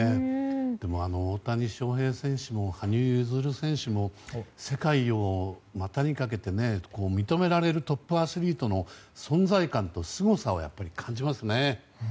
でも大谷翔平選手も羽生結弦選手も世界を股にかけて認められるトップアスリートの存在感とすごさを感じますよね。